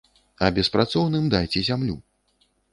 А беспрацоўным дайце зямлю.